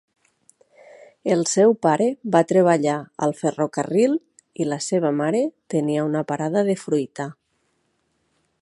El seu pare va treballar al ferrocarril i la seva mare tenia una parada de fruita.